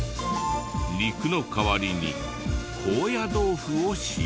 肉の代わりに高野豆腐を使用。